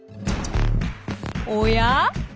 おや？